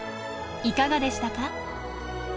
いかがでしたか？